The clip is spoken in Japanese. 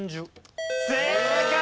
正解！